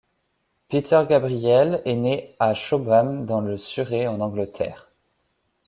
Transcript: Peter Gabriel est né à Chobham dans le Surrey en Angleterre.